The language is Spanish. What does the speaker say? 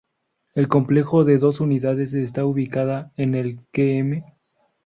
El complejo de dos unidades está ubicado en el Km.